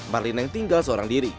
marlina yang tinggal seorang diri